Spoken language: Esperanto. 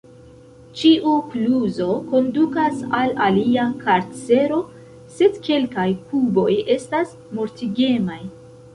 Ĉiu kluzo kondukas al alia karcero, sed kelkaj kuboj estas mortigemaj.